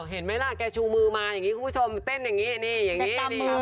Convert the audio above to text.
เห็นไหมล่ะแกชูมือมาอย่างนี้คุณผู้ชมเต้นอย่างนี้นี่อย่างนี้